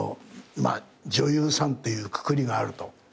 女優さんっていうくくりがあると。